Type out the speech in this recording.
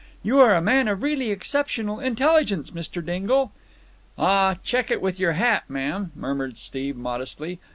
You are a man of really exceptional intelligence, Mr. Dingle." "Aw, check it with your hat, ma'am!" murmured Steve modestly.